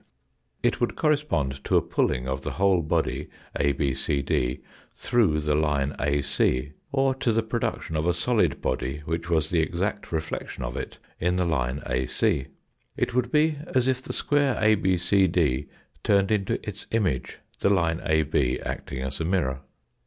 It would correspond to a pulling of the whole body ABCD through the line AC, or to the production of a solid body which was the exact reflection of it in the line AC. It would be as if the square ABCD turned into its image, the line AB acting as a mirror.